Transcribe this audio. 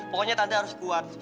pokoknya tante harus kuat